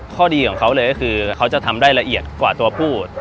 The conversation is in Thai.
ข้อดีของเขาเลยก็คือเขาจะทำได้ละเอียดกว่าตัวพูด